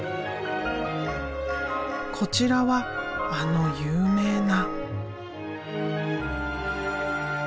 こちらはあの有名な。